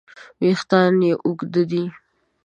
وېښتیان یې اوږده دي.